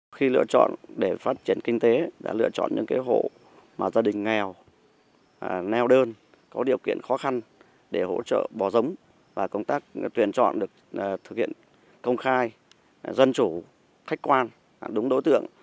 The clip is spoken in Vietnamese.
khi lựa chọn để phát triển kinh tế đã lựa chọn những hộ mà gia đình nghèo neo đơn có điều kiện khó khăn để hỗ trợ bò giống và công tác tuyển chọn được thực hiện công khai dân chủ khách quan đúng đối tượng